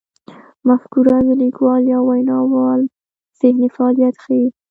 مفکوره د لیکوال یا ویناوال ذهني فعالیت ښيي.